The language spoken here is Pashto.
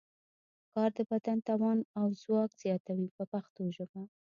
کار د بدن توان او ځواک زیاتوي په پښتو ژبه.